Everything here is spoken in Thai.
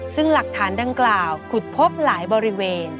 ซึ่งหลักฐานดังกล่าวขุดพบหลายบริเวณ